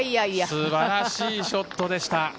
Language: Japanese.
素晴らしいショットでした。